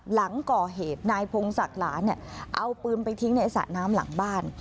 หลังก่อเหตุนายพงศักดิ์หลานเนี่ยเอาปืนไปทิ้งในสระน้ำหลังบ้าน